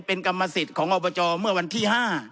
เป็นกรรมสิทธิ์ของอบจเมื่อวันที่๕